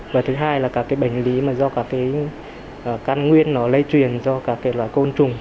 và thứ hai là các cái bệnh lý mà do các cái can nguyên nó lây truyền do các loại côn trùng